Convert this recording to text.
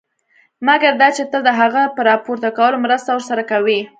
مګر دا چې ته د هغه په راپورته کولو مرسته ورسره کوې.